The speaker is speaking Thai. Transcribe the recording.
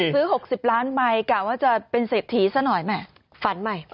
๖๐ล้านบาทใหม่กล่าวว่าจะเป็นเสพถีซะหน่อยไหม